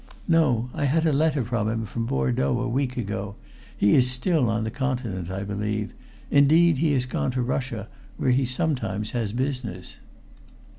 "No. I had a letter from him from Bordeaux a week ago. He is still on the Continent. I believe, indeed, he has gone to Russia, where he sometimes has business."